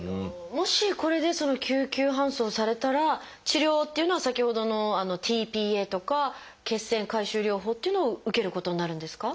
もしこれで救急搬送されたら治療っていうのは先ほどのｔ−ＰＡとか血栓回収療法っていうのを受けることになるんですか？